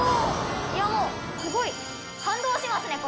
いやもうすごい！感動しますね！